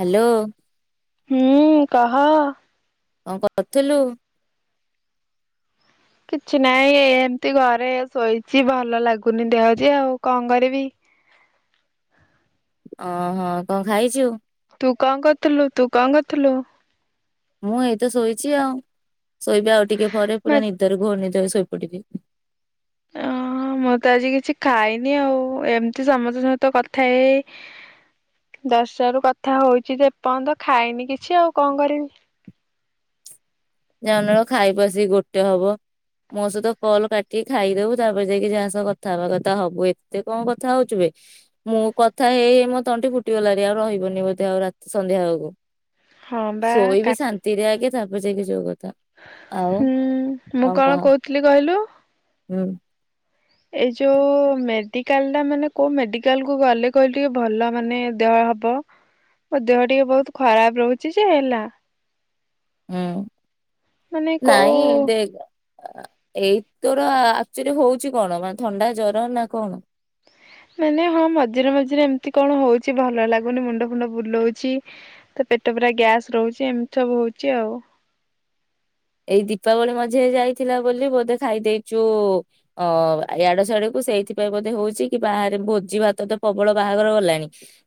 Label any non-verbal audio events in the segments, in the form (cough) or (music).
Hello. ହୁଁ କହ। କଣ କରୁଥୁଲୁ? କିଛି ନାଇଁ ଏମିତି ଘରେ ଶୋଇଛି ଭଲ ଲାଗୁନି ଦେହ ଯେ ଆଉ କଣ କରିବି? ଓହୋ କଣ ଖାଇଛୁ? ତୁ କଣ କରୁଥୁଲୁ ତୁ କଣ କରୁଥୁଲୁ? ମୁଁ ଏଇତ ଶୋଇଛି ଆଉ। ଶୋଇବି ଆଉ ଟିକେ ପରେ ପୁରା ନିଦରେ ଘୋର ନିଦରେ ଶୋଇପଡ଼ିବି। ହଁ ମୁଁ ତ ଆଜି କିଛି ଖାଇନି ଆଉ ଏମିତି ସମସ୍ତଙ୍କ ସହିତ କଥା ହେଇ ହେଇ ଦଶ ଟାରୁ କଥା ହଉଛି ଯେ ଏ ପର୍ଯ୍ୟନ୍ତ ଖାଇନି କିଛି ଆଉ କଣ କରିବି। ଜାଉ ନଳ ଖାଇବୁ ଆସିକି ଗୋଟେ ହବ ମୋ ସହିତ କଲ୍ କାଟିକି ଖାଇଦବୁ ତାପରେ ଯାଇକି ଯାହା ସହ କଥା ହେବା କଥା ହବୁ ଏତେ କଣ କଥା ହଉଛୁବେ ମୁଁ କଥା ହେଇ ମୋ ତଣ୍ଟି ଫୁଟିଗଲାଣି ଆଉ ରହିବନି ବୋଧେ ଆଉ ରାତି ସନ୍ଧ୍ୟା ବଳକୁ। ହଁ ବା କା ସୋଇବି ଶାନ୍ତି ରେ ଆଗେ ତାପ୍ ବଜାଇ (unintelligible) ଜଗତ୍ ହୁଁ ମୁଁ କହ କଣ କହୁଥିଲି କହିଲୁ ହୁଁ। ଏଇ ଯୋଉ ମେଡିକାଲ ଟା ମାନେ କୋଉ ମେଡିକାଲ କୁ ଗଲେ କହିଲୁ ଟିକେ ଭଲ ମାନେ ଦେହ ହବ ମୋ ଦେହ ଟିକେ ବହୁତ ଖରାପ ରହୁଛି ଯେ ହେଲା ହୁଁ ମାନେ ନାଇଁ କୋଉ ଦେଖ ଏଇ ତୋର ଆକଚୁଆଲି ହଉଛି କଣ ମାନେ ଥଣ୍ଡା ଜର ନା କଣ? ମାନେ ହଁ ମଝିରେ ମଝିରେ ଏମିତି କଣ ହଉଛି ଭଲ ଲାଗୁନି ମୁଣ୍ଡ ଫୁଣ୍ଡ ବୁଲଉଛି ତ ପେଟ ପୁରରା ଗ୍ୟାସ ରହୁଛି ଏମିତି ସବୁ ହଉଛି ଆଉ। ଏଇ ଦୀପାବଳି ମଝିରେ ଯାଇଥିଲା ବୋଲି ବୋଧେ ଖାଇ ଦେଇଛୁ ଅ ଇଆଡୁ ସିଆଡୁ ସେଇଥିପାଇଁ ବୋଧେ ହଉଛି କି ବାହାରେ ଭୋଜି ଭାତ ତ ପ୍ରବଳ ବାହାଘର ଗଲାଣି।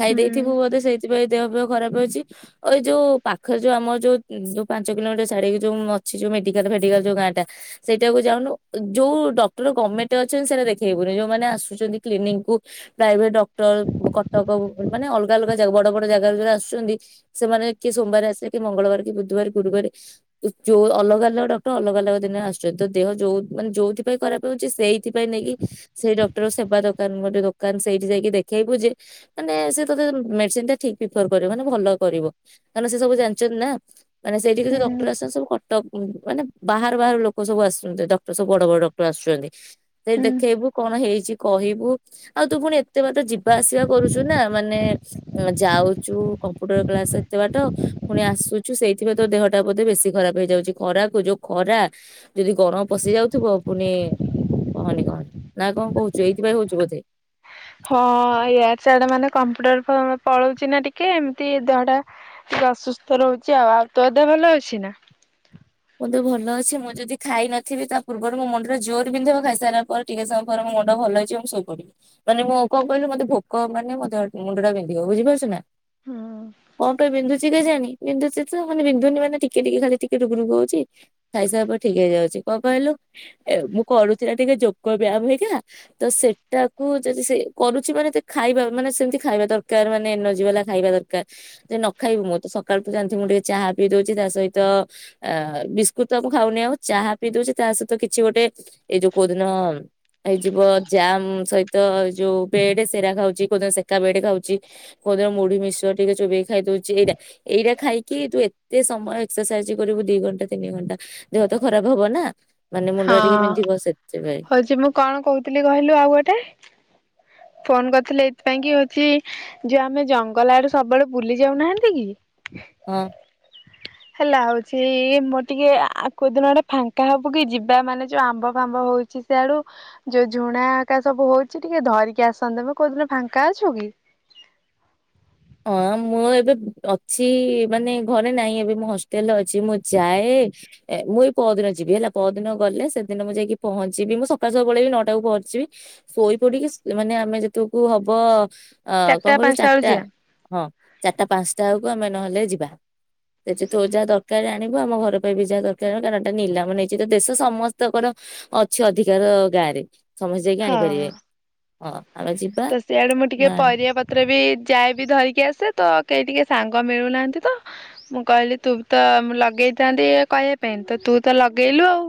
ଖାଇ ହୁଁ। ଦେଇଥିବୁ ବୋଧେ ସେଇଥିପାଇଁ ଦେହ ଫେହ ଖରାପ ଅଛି ଓ ଯୋଉ ପାଖରେ ଯୋଉ ଆମର ଯୋଉ ଯୋଉ ପାଞ୍ଚ କିଲୋମିଟର ଛାଡିକି ଯୋଉ ସେ ଯୋଉ ମେଡିକାଲ ଫେଡିକାଲ ଯୋଉ ଗାଁ ଟା ସେଇଟାକୁ ଯାଉୁନୁ ଯୋଉ ଡକ୍ଟର ଗମେଣ୍ଟ ରେ ଅଛନ୍ତି ସେଇଟା ଦେଖେଇବୁନି ଯୋଉମାନେ ଆସୁଛନ୍ତି କ୍ଲିିନିକ କୁ ପ୍ରାଇଭେଟ ଡକ୍ଟର କଟକ ଭୁବ ମାନେ ଅଲଗା ଅଲଗ ଯାଗା ବଡ ବଡ ଜାଗାରୁ ଯୋଉ ଆସୁଛନ୍ତି ସେମାନେ କିଏ ସୋମବାର ଆସିଲେ କି ମଙ୍ଗଳବାର କି ବୁଧବାର ଗୁରୁବାର ଯୋଉ ଅଲଗା ଅଲଗା ଡକ୍ଟର ଅଲଗା ଅଲଗା ଦିନରେ ଆସୁଛନ୍ତି ତୋ ଦେହ ଯୋଉ ମାନେ ଯୋଉଥିପାଇଁ ଖରାପ ହେଉଛି ସେଇଥିପାଇଁ ନେଇକି ସେଇ ଡକ୍ଟର ସେବା ଦୋକାନ ଗୋଟେ ଦୋକାନ ସେଇଠି ଯାଇକି ଦେଖେଇବୁ ଯେ ମାନେ ସେ ତୋତେ ମେଡିସିନ ଟା ଠିକ ପ୍ରିଫର କରିବ ମାନେ ଭଲ କରିବ କାରଣ ସେ ସବୁ ଜାଣିଛନ୍ତି ନା। ମାନେ ସେଇଠି କି ଯୋଉ ହୁଁ। ଡକ୍ଟର ଆସନ୍ତି ସବୁ। ଟ ଉପରକୁ ମାନେ ବାହାରୁ ବାହାରୁ ଲୋକ ସବୁ ଆସୁଛନ୍ତି ଡକ୍ଟର ସବୁ ବଡ ବଡ ଡକ୍ଟର ଆସୁଛନ୍ତି ସେଠି ହୁଁ ଦେଖେଇବୁ କଣ ହେଇଛି କହିବୁ ଆଉ ତୁ ଫୁଣି ଏତେ ବାଟ ଯିବା ଆସିବା କରୁଛୁ ନା ମାନେ ଯାଉଛୁ କମ୍ପୁଟର କ୍ଲାସ ଏତେ ବାଟ ପୁଣି ଆସୁଛୁ ସେଇଥିପାଇଁ ତୋ ଦେହଟା ବୋଧେ ବେଶୀ ଖରାପ ହେଇଯାଉଛି ଖରାକୁ ଯୋଉ ଖରା ଯଦି ଗରମ୍ ପଶିଯାଉଥିବ ପୁଣି କହନି କହନି ନା କଣ କହୁଛୁ ଏଇଥିପାଇଁ ହଉଛି ବୋଧେ। ହଁ ଏୟା ସିଆଡେ ମାନେ କମ୍ପ୍ୟୁଟର ପଳଉଛି ନା ଟିକେ ଏମିତି ଦେହ ଟା ଟିକେ ଅସୁସ୍ଥ ରହୁଛି ଆଉ ଆଉ ତୋ ଦେହ ଭଲ ଅଛି ନା। ମୋ ଦେହ ଭଲ ଅଛି ମୁଁ ଯଦି ଖାଇନଥିବି ତା ପୂର୍ବରୁ ମୋ ମୁଣ୍ଡ ଟା ଜୋରେ ବିନ୍ଧିବ ମୁଁ ଖାଇସାରିଲା ପରେ ଟିକେ ସମୟ ପରେ ମୋ ମୁଣ୍ଡ ଭଲ ହେଇଯିବ ମୁ ସୋଇ ପଡିବି ମାନେ ମୁଁ କଣ କହିଲୁ ମୋତେ ଭୋକ ମାନେ ମୋତେ ମୁଣ୍ଡ ଟା ବିନ୍ଧିବ ବୁଝିପାରୁଛ ନା। କଣ ପାଇଁ ବିନ୍ଧୁଛି କେଜାଣି? ବିନ୍ଧୁଛି ତ ମାନେ ବିନ୍ଧୁନି ମାନେ ଟିକେ ଟିକେ ଖାଲି ଟିକେ ରୁଗୁ ରୁଗ୍ ହବ ଚି ଖାଇସାରିଲା ପରେ ଠିକ ହେଇଯାଉଛି କଣ କହିଲୁ ଏ ମୁଁ କରୁଛି ନା ଟିକେ ଯୋଗ ବ୍ୟାୟାମ ହେଇଗା ତ ସେଟାକୁ ଯଦି ସେ କରୁଛି ମାନେ ତା ଖାଇବା ମାନେ ସେମତି ଖାଇବା ଦରକାର ମାନେ ଏନର୍ଜି ବାଲା ଖାଇବା ଦରକାର ଯଦି ନ ଖାଇବୁ ମୁଁ ତ ସକାଳ ତୁ ଯାଣିଥିବୁ ମୁଁ ଟିକେ ଚାହା ପିଇ ଦଉଛି ତା ସହିତ ବିସ୍କୁଟ ତ ମୁଁ ଖାଉନି ଆଉ ଚାହା ପିଇ ଦଉଛି ତା ସହିତ କିଛି ଗୋଟେ ଏଇ ଯୋଉ କୋଉଦିନ ହେଇଯିବ ଜାମ ସହିତ ଯୋଉ ବେଡ ସେରା ଖାଉଛି କୋଉଦିନ ସେକା ବେଡ ଖାଉଛି କୋଉଦିନ ମୁଢି ମିଶ୍ଚର ଟିକେ ଚୋବେଇ କି ଖାଇ ଦଉଛି ଏଇଟା ଏଇଟା ଖାଇକି ତୁ ଏତେ ସମୟ ଏକ୍ସରସାଇଜ କରିବୁ ଦି ଘଣ୍ଟା। ତିନି ଘଣ୍ଟା ଦେହ ତ ଖରାପ ହବ ନା। ମାନେ ମୁଣ୍ଡ ହଁ ଟା ଟିକେ ବିନ୍ଧିବ ସେଥିପାଇଁ ହଉଛି ମୁଁ କଣ କହୁଥିଲି କହିଲୁ ଆଉ ଗୋଟେ ଫୋନ କରିଥିଲେ ଏଇଥିପାଇଁ କି ହଉଛି ଯୋଉ ଆମେ ଜଙ୍ଗଲ ଆଡେ ସବୁବେଳେ ବୁଲି ଯାଉନାହାନ୍ତି କି ହଁ। ହେଲା ହଉଛି ମୋର ଟିକେ କୋଉ ଦିନ ଗୋଟେ ଫାଙ୍କା ହବୁ କି ଯିବା ମାନେ ଯୋଉ ଆମ୍ବ ଫାମ୍ବ ହଉଛି ସିଆଡୁ ଯୋଉ ଝୁଣା ଆକା ସବୁ ହଉଛି ଟିକେ ଧରିକି ଆସନ୍ତେମ କୋଉଦିନ ଫାଙ୍କା ଅଛୁ କି? ହଁ ମୁଁ ଏବେ ଅଛି ମାନେ ଘରେ ନାହିଁ ଏବେ ମୁଁ ହଷ୍ଟେଲରେ ଅ ମୁଁ ଯାଏ। ଏ ମୁଁ ଏଇ ପଅରିଦିନ ଯିବି ହେଲା ପଅରିଦିନ ଗଲେ ସେଦିନ ମୁଁ ଯାଇକି ପହଞ୍ଚିବି ମୁଁ ସକାଳୁ ସକାଳୁ ପଳେଇବି ନଅଟାବେଳକୁୁ ପହଞ୍ଚିଜିବି ଶୋଇ ପଡିକି ମାନେ ଆମେ ଯେତେବେଳ କୁ ହବ ଅ କଣ ଚାରିଟା କହିଲୁ ପାଞ୍ଚଟା ବେଳୁ ଚାରିଟା ଯିିବା। ହଁ ଚାରିଟା ପାଞ୍ଚଟା ବେଳକୁ ଆମେ ନହେଲେ ଯିବା ଯେ ତୁ ଯାହା ଦରକାର ଆଣିବୁ ଆମ ଘର ପାଇଁ ବି ଯାହା ଦରକାର କାରଣ ଏଟା ନିଲାମ ନେଇଛି ତ ଦେଶ ସମସ୍ତଙ୍କର ଅଛି ଅଧିକାର ଗାଁରେ। ସମସ୍ତେ ଯାଇକି ହଁ ଆଣିପାରିବେ। ହଁ। ଆମେ ଯିବା ତ ସେଆଡେ ମୁଁ ଟିକେ ନା ପରିବା ପତ୍ର ବି ଯାଏବି ଧରି ଟିକେ ଆସେ ତ କେହି ଟିକେ ସାଙ୍ଗ ମିଳୁନାହାନ୍ତି ତ ମୁଁ କହିଲି ତୁ ବି ତ ଲଗେଇଥାନ୍ତି କହିବା ପାଇଁ ତ ତୁ ତ ଲଗେଇଲୁ ଆଉ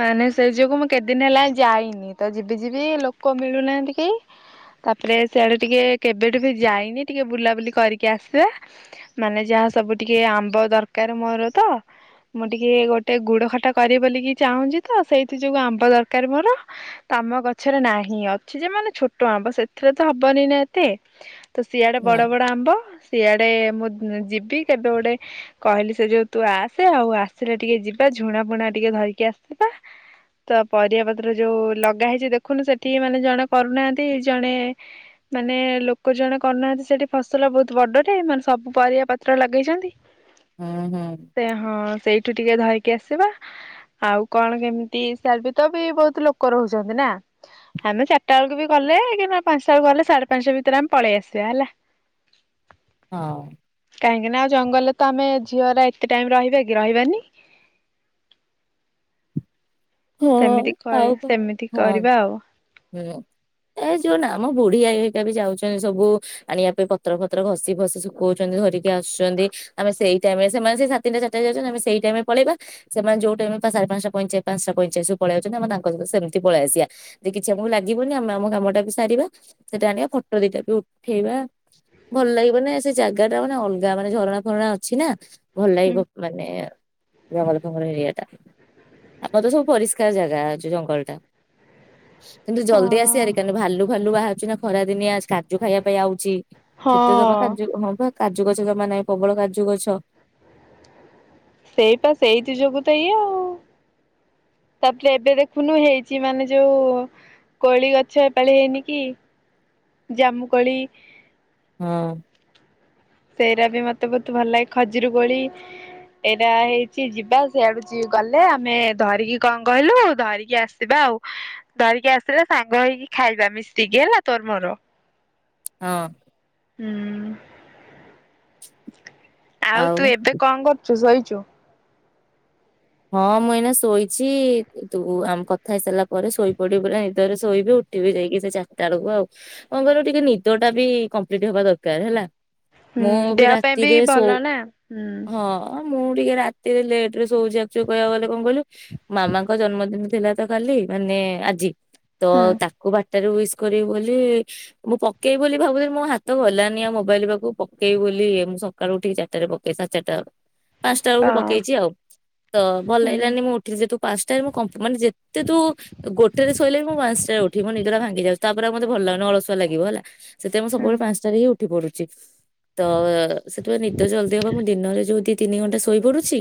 ମାନେ ସେଇଥି ଯୋଗୁ ମୁଁ କେତଦିନ ହେଲା ଯାଇନି ତ ଯିବି ଯିବି ଲୋକ ମିଳୁନାହାନ୍ତି। ତାପରେ ସେଆଡେ ଟିକେ କେବେଠୁ ବି ଯାଇନି ଟିକେ ବୁଲାବୁଲି କରିକି ଆସିବା ମାନେ ଯାହା ସବୁ ଟିକେ ଆମ୍ବ ଦରକାର ମୋର ତ ମୁଁ ଟିକେ ଗୋଟେ ଗୁଡ ଖଟା କରିବି ବୋଲିକି ଚାହୁଁଛି ତ ସେଇଥି ଯୋଉ ଆମ୍ବ ଦରକାର ମୋର ତମ ଗଛରେ ନାହିଁ ଅଛି ଯେ ମାନେ ଛୋଟ ଆମ୍ବ ସେଥିରେ ତ ହବନି ନା ଏତେ। ତ ସିଆଡେ ନା ବଡ ବଡ ଆମ୍ବ। ସିଆଡେ ମୁଁ ଯିବି କେବେ ଗୋଟେ କହିଲି ସେ ଯୋଉ ତୁ ଆସେ ଆଉ ଆସିଲେ ଟିକେ ଯିବା ଝୁଣା ପୁଣା ଟିକେ ଧରିକି ଆସିବା ତ ପରିବା ପତ୍ର ଯୋଉ ଲଗା ହେଇଛି ଦେଖୁନୁ ସେଠିକି ମାନେ ଜଣ କରୁନାହାନ୍ତି ଜଣେ ମାନେ ଲୋକ ଜଣେ କରୁନାହାନ୍ତି ସେଠି ଫସଲ ବହୁତ ବଡଟେ ମାନେ ସବୁ ପରିବା ପତ୍ର ଲଗେଇଛନ୍ତି। ହୁଁ ହୁଁ ସେ ହଁ ସେଇ ଟିକେ ଧରକି ଆସିବା ଆଉ କଣ କେମିତି ସାର ବି ତ ବି ବହୁତ ଲୋକ ରହୁଛନ୍ତି ନା ଆମେ ଚରାଟା ବେଳକୁ ବି କଲେ କି ବା ପାଞ୍ଚଟା ବେଳକୁ ଗଲେ ସାଢେ ପାଞ୍ଚଟା ଭିତରେ ଆମେ ପଳେଇ ଆସିବା ହେଲା। ହଁ। କାହିଁକି ନା ଆଉ ଜଙ୍ଗଲରେ ତ ଆମେ ଝିଅ ରା ଏତେ ଟାଇମ ରହିବା କି ରହିବାନି। ସେମିତି ହଁ ଆଉ କହିବ କଣ ସେମିତି ହଁ କରିବା ଆଉ ହୁଁ ଏ ଯୋଉ ନା ଆମ ବୁଢୀଆଇ ହେରିକା ବି ଯାଉଛନ୍ତି ସବୁ ଆଣିବା ପାଇଁ ପତ୍ର ଫତର ଘଷି ଫସି ଶୁଖଉଛନ୍ତି ଧରିକି ଆସୁଛନ୍ତି ଆମେ ସେଇ ଟାଇମ୍ ରେ ସେମାନେ ସେଇ ସାଢେ ତିନଟା ଚାରିଟା ରେ ଯାଉଛନ୍ତି ଆମେ ସେଇ ଟାଇମ୍ ରେ ପଳେଇବା ସେମାନେ ଯୋଉ ଟାଇମ୍ ରେ ସାଢେ ପାଞ୍ଚଟା ପଇଁଚାଶୁ ପାଞ୍ଚଟା ପଇଁଚାଳିଶ ପଳେଇ ଯାଉଛନ୍ତି ଆମେ ତାଙ୍କ ସହିତ ସେମିତି ପଳେଇ ଆସିବା। ଯେ କିଛି ଆମକୁ ଲାଗିବନି ଆମେ ଆମ କାମଟା ବି ସାରିବା ସେଟା ଆଣିବା ଫଟୋ ଦିଟା ବି ଉଠେଇବା ଭଲ ଲାଗିବନି ସେ ଜାଗା ଟା ମାନେ ଅଲଗା ମାନେ ଝରଣା ଫରଣା ଅଛି ନା। ଭଲ ଲାଗିବ ମାନେ ଜଙ୍ଗଲ ଫଙ୍ଗଲ ଏରିଆ ଟା ଆମର ତ ସବୁ ପରିଷ୍କାର ଜାଗା ଅଛି ଜଙ୍ଗଲ ଟା। କିନ୍ତୁ ହଁ ଜଲଦି୍ ଆସିିବା ଭାରି କାରଣ ଭାଲୁ ଭାଲୁ ବାହାର ସିନା ଖରା ଦିନିଆ କାଜୁ ଖାଇବା ପାଇଁ ଆଉଛି ସେତେ ଜମା ହଁ। କାର୍ଯ୍ୟ ହଁ ବା। କାଜୁ ଗଛ ଜମା ନାହିଁ ପ୍ରବଳ କାଜୁ ଗଛ। ସେଇପା ସେଇଥିୁ ଯୋଗୁ ତ ଇଏ ଆଉ ତାପରେ ଏବେ ଦେଖୁନୁ ହେଇଛି ମାନେ ଯୋଉ କୋଳି ଗଛ ଏପାଳି ହେଇନି କି ଜାମୁ କୋଳି। ହଁ। ସେଇଟା ବି ମତେ ବହୁତ ଭଲ ଲାଗେ ଖଜୁରୀ କୋଳି ଏଇଟା ହେଇଛି ଯିବା ସେଇଆଡୁ ଗଲେ ଆମେ ଧରିକି କଣ କହିଲୁ ଧରିକି ଆସିବା ଆଉ ଧରିକି ଆସିଲେ ସାଙ୍ଗ ହେଇକି ଖାଇବା ମିଶିକି ହେଲା ତୋର ମୋର। ହଁ। ହୁଁ। (inaudible) ଆଉ ତୁ ଏବେ କଣ କରୁଛୁ ଶୋଇଛୁ? ଚୁ? ହଁ ମୁଁ ଏଇନା ଶୋଇଛି ତୁ ଆମ କଥା ହେଇସାରିଲା ପରେ ଶୋଇପଡିବୁ ପ ନିଦରେ ଶୋଇବି ଉଠିବି ଯାଇକି ସେ ଚାରିଟା ବେଳକୁ ଆଉ କଣ କହିଲୁ ଟିକେ ନିଦ ଟା ବି କମ୍ପ୍ଲିଟ ହବା ଦରକାର ହେଲା। ହୁଁ ମୁଁ ଦେହ ପାଇଁ ବି ରାତିରେ ଶୋଉ ଭଲ ନା ହୁଁ। ହଁ ମୁଁ ଟିକେ ରାତିରେ ଲେଟ୍ ରେ ଶୋଉଛିି ବା ଯୋଉ କହିବାକୁ ଗଲେ କଣ କହିଲୁ ମାମାଙ୍କ ଜନ୍ମଦିନ ଥିଲା ତ କାଲି ମାନେ ଆଜି। ତ ହୁଁ ତାକୁ ବାଟ ରୁ ୱିଶ୍ କରିବି ବୋଲି ମୁଁ ପକେଇବି ବୋଲି ଭାବୁଥିଲି ମୋ ହାତ ଗଲାନି ଆ ମୋବାଇଲ ପାଖକୁ ପକେଇବ ବୋଲି ମୁଁ ସକାଳୁ ଉଠିକି ଚାରିଟା ରେ ପକେଇବ ସଢେଚରିଟା ବେଳୁ। ପାଞ୍ଚଟା ବେଳକୁ ଅ ପକେଇଛି ଆଉ। ତ ଭଲ ହୁଁ ଲାଗିଲାନି ମୁଁ ଉଠିଲି ଯେ ତୁ ପାଞ୍ଚଟାରେ ମୁଁ କମ୍ ମାନେ ଯେତେ ତୁ ଗୋଟେରେ ଶୋଇଲେ ବି ମୁଁ ପାଞ୍ଚଟାରେ ଉଠିବି ମୋ ନିଦ ଟା ଭାଙ୍ଗି ଯାଉଛି ତାପରେ ଆଉ ମତ ଭଲ ଲାଗୁନି ଅଳସୁଆ ଲାଗିବ ହେଲା। ସେତ ଆମ ହୁଁ ସବୁଳେ ପାଞ୍ଚଟାରେ ହିଁ ଉ ଉଠି ପଡୁଛି ତ ସେଥିପାଇଁ ନିଦ ଜଲଦି ହବ ମୁଁ ଦିନରେ ଯୋଉଦି ତିନି ଘଣ୍ଟା ଶୋଇପଡୁଛି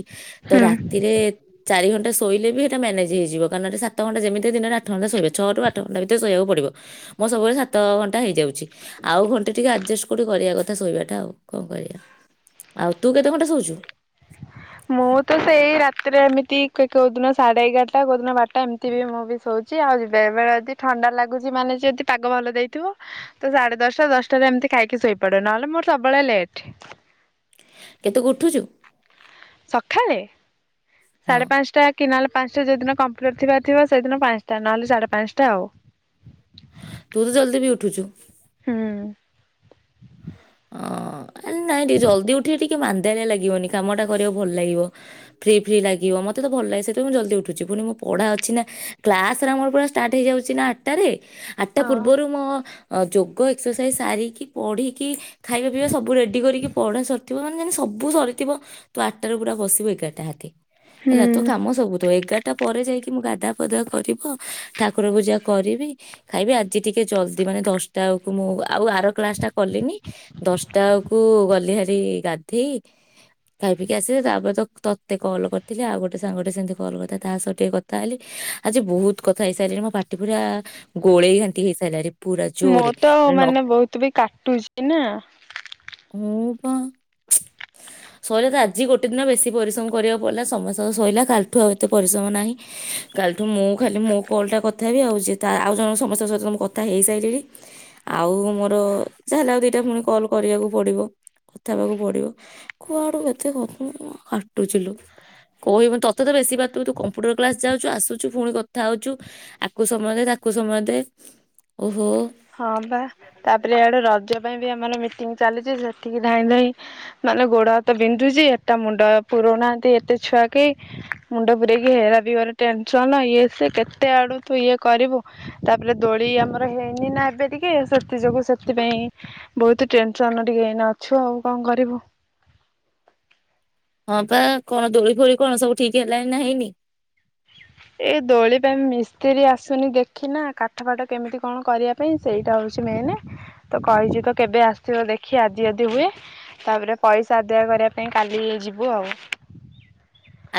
ତ ହୁଁ ରା ଚାରି ଘଣ୍ଟା ଶୋଇଲେ ବି ସେଇଟା ମ୍ୟାନେଜ ହେଇଯିବ କାରଣ ସାତ ଘଣ୍ଟା ଯେମିତି ଦିନରେ ଆଠ ଘଣ୍ଟା ଶୋଇବା ଛଅ ରୁ ଆଠ ଘଣ୍ଟା ଭିତରେ ଶୋଇବାକୁ ପଡିବ ମୋ ସବୁବେଳେ ସାତ ଘଣ୍ଟା ହେଇଯାଉଛି ଆଉ ଘଣ୍ଟେ ଟିକେ ଆଡଜଷ୍ଟ କୋଉଠି କରିବା କଥା ଶୋଇବାଟା ଆଉ କଣ କରିବା ଆଉ ତୁ କେତେ ଘଣ୍ଟା ଶୋଇଛୁ? ମୁଁ ତ ସେଇ ରାତି ରେ ଏମିତି କୋଉଦିନ ସାଢେ ଏଗାରଟା କୋଉଦିନ ବାରଟା। ଏମିତି ବି ମୁଁ ବି ଶୋଉ ଆଉ ଯିବା ଏବେ ଯଦି ଥଣ୍ଡା ଲାଗୁଛି ମାନେ ଯଦି ପାଗ ଭଲ ଦେଇଥିବ ତ ସାଢେ ଦଶଟା ଦଶଟାରେ ଏମିତି ଖାଇକି ଶୋଇପଡେ ନହେଲେ ମୋର ସବୁବେଳେ ଲେଟ୍। କେତେକୁ ଉଠୁଛୁ? ସଖାଳେ। ହଁ ସାଢ଼େ ପାଞ୍ଚଟା କିନହେଲେ ପାଞ୍ଚଟା ଯଉ ଦିନ କମ୍ପ୍ଲିଟ ଥିବ ଥିବା ସେଇଦିନ ପାଞ୍ଚଟା ନହେଲେ ସାଢେ ପାଞ୍ଚଟା ଆଉ ତୁ ତ ଜଲଦି ବି ଉଠୁଛୁ। ହୁଁ। ନାଇ ଟିକେ ଜଲଦି ଉଠେ ଟିକି କି ମାନ୍ଦାଳିଆ ଲାଗିବନି କାମ ଟା କରିବାକୁ ଭଲ ଲାଗିବ ଫ୍ରି ଫ୍ରି ଲାଗିବ ମତେ ତ ଭଲ ଲାଗେ ସେଇଟ ମୁଁ ଜଲଦି ଉଠୁଛି ପୁଣି ମୁଁ ପଢା ଅଛି ନା କ୍ଲାସରେ ମୋର ପୁରା ଷ୍ଟାର୍ଟ ହେଇଯାଉଛି ନା ଆଠଟାରେ। ଆଟ୍ଟା ହଁ। ପୂର୍ବରୁ ମ ଯୋଗ ଏକ୍ସରସାଇଜ ସାରିକି ପଢ଼ିକି ଖାଇବା ପିଇବା ସବୁ ରେଡ଼ି କରିକି ପଢା ସରିଥିବ ମାନେ ଜେନ୍ତିସବୁ ସରିଥିବ ତୁ ଆଠଟାରୁ ପୁରା ବସିବୁ ଏଗାରଟା ଆତେ। ହେଲା ତୋ ହୁଁ କାମ ସବୁ ତ ଏଗାର ଟା ପରେ ଯାଇକି ମୁଁ ଗାଧା ପାଧା କରିବ ଠାକୁର ପୂଜା କରିବି ଖାଇବି ଆଜି ଟିକେ ଜଲଦି ମାନେ ଦଶଟା ବେଳକୁ ମୁଁ ଆଉ ଆର କ୍ଳାସ ଟା କଲିନି। ଦଶଟା ବେଳକୁ ଗଲି ହାରି ଗାଧେଇ ଖାଇ ପିିକି ଆସିଲେ ତାପରେ ତ ତତେ କଲ୍ କରିଥିଲେ ଆଉ ଗୋଟେ ସାଙ୍ଗେ ସେମତି କଲ୍ କରିଥା ତା ସହ ଟିକେ କଥା ହେଲି ଆଜି ବହୁତ କଥା ହେଇସାରିଲିଣି ମୋ ପାଟି ପୁରା ଗୋଳେଇ ଘାଣ୍ଟି ହେଇସାରିଲଣି। ମୋର୍ ତ ଆଉ ମାନେ ବହୁତ ବି କାଟୁଛି ନା। ହୁଁ। ହଁ ସରିଲା ତ ଆଜି ଗୋଟେ ଦିନ ବେଶୀ ପରିଶ୍ରମ କରିବାକୁ ପଡ଼ିଲା ସମସ୍ତଙ୍କ ସରିଲା କାଲିଠୁ ଆଉ ଏତେ ପରିଶ୍ରମ ନାହିଁ କାଲିଠୁ ମୁଁ ଖାଲି ମୋ କଲ ଟା କଥା ହେବି ଆଉ ଆଉ ଜଣ ସମସ୍ତଙ୍କ ସହିତ ମୁଁ କଥା ହେଇସାରିଲି ଆଉ ମୋର ଯାହେଲେ କେତେ ପୁଣି କଲ୍ କରିବାକୁ ପଡ଼ିବ କଥା ହେବାକୁ ପଡ଼ିବ କୁଆଡ଼ୁ କେତେ କ କାଟୁଛିଲୋ କହିବୁ ତୋତେ ତ ବେଶୀ ବା ତୁ କମ୍ପ୍ୟୁଟର କ୍ଲାସ୍ ଯାଉଛୁ ଆସୁଛୁ ପୁଣି କଥା ହଉଛୁ ଆକୁ ସମୟ ଦେ ତାକୁ ସମୟ ଦେ ଓହୋ। ହଁ ବା ତାପରେ ଏଇଆଡେ ରଜ ପାଇଁ ବି ଆମର ମିଟିଙ୍ଗ ଚାଲିଛି ସେଠିକି ଧାଇଁ ଧାଇଁ ମାନେ ଗୋଡ ହାତ ବିନ୍ଧୁଛି ଏଟା ମୁଣ୍ଡ ପୁରରୁଉନାହାନ୍ତି ଏତେ ଛୁଆ କେହି ମୁଣ୍ଡ ପୁରୋଇକି ହେରା ବି ମୋର ଟେନସନ ଇଏ ସେ କେତେ ଆଡୁ ତୁ ଇଏ କରିବୁ ତାପରେ ଦୋଳି ଆମର ହେଇନି ନା। ଏ ଟିକେ ସେଥି ଯୋଗୁ ସେଥିପାଇ ବହୁତ ଟେନସନ ଟିକେ ଅଛୁ ଆଉ କଣ କରିବୁ। ହଁ ବା କଣ ଦୋଳି ଫୋଳି କଣ ସବୁ ଠିକ ହେଲାଣି ନା ହେଇନି। ଏଇ ଦୋଳି ପାଇଁ ମିସ୍ତ୍ରୀ ଆସୁନି ଦେଖି ନା କାଠ ଫାଠ କେମିତି କଣ କରିବା ପାଇଁ ସେଇଟା ହଉଛି ମେନ ତ କହିଚ ତ କେବେ ଆସିବ ଦେଖି ଆଦି ଆଦି ହୁଏ ତାପରେ ପଇସା ଆଦାୟ କରିବା ପାଇଁ କାଲି ଯିବୁ ଆଉ।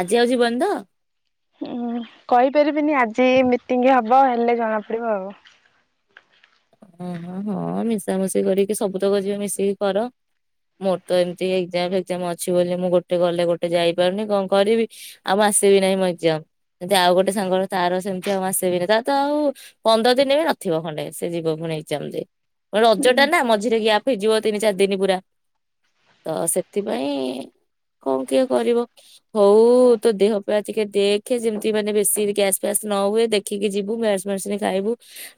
ଆଜି ଆଉ ଯିବନି ତ? ହୁଁ କହିପାରିବିନି ଆଜି ମିଟିଂ ହବ ହେଲେ ଜଣା ପଡିବ ଆଉ। ଉଁ ହୁଁ ହୁଁ ମିଶାମଶି କରିକି ସବୁ ତ ଯିବେ ମିଶିକି କର ମୋର ତ ଏମିତି ଏକ୍ଜାମ ଫଜାମ ଅଛି ବୋଲି ମୁଁ ଗୋଟେ ଗଲେ ଗୋଟେ ଯାଇପାରୁନି କଣ କରିବି ଆଉ ଆସିବି ନାହିଁ ମୋ ଏକ୍ଜାମ ଯମତି ଆଉ ଗୋଟେ ସାଙ୍ଗର ତାର ସେମିତି ଆଉ ମାସେ ବି ନାହିଁ ତ ତ ଆଉ ପନ୍ଦର ଦିନ ବି ନଥିବ ଖଣ୍ଡେ। ସେ ଯିବ ଫୁଣି ଏକ୍ସାମ ଦେଇ। ରଜ ହୁଁ ଟା ନା ମଝିରେ ଗ୍ୟାପ୍ ହେଇଯିବ। ତିନି ଚାରି ଦିନ ପୁରା ତ ସେଥିପାଇଁ କଣ କିଏ କରିବ ହଉ ତୋ ଦେହ ପା ଟିକେ ଦେଖେ ଯେମିତି ମାନେ ବେଶୀ ଗ୍ୟାସ ଫ୍ୟାସ ନ ହୁଏ ଦେଖିକି ଯିବୁ ଗ୍ୟାସ ମେଡିସିନ ଖାଇବୁ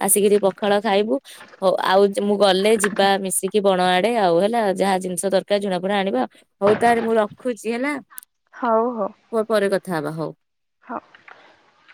ଆସିକି ଟି ପଖାଳ ଖାଇବୁ ହଉ ଆ ମୁଁ ଗଲେ ଯିବା ମିଶି କି ବଣ ଆଡେ ଆଉ ହେଲା ଯାହା ଜିନିଷ ଦରକାର ଝୁଣାଫୁଣା ଆଣିବା। ହଉ ତାରେ ମୁଁ ରଖୁଛି ହେଲା ପ ପରେ କଥା ହେ ଥା ହବା ହଉ। ହଁ।